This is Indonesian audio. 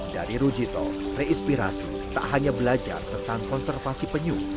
dari rujito reinspirasi tak hanya belajar tentang konservasi penyu